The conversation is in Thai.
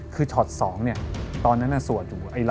คือช้อนสองเนี่ยตอนนั้นอะสวดอยู่